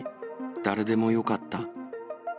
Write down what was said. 誰でもよかった。